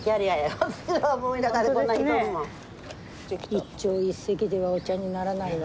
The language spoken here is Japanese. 一朝一夕ではお茶にならないわ。